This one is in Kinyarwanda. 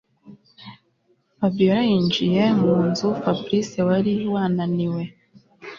Fabiora yinjiye munzu fabric wari wananiwe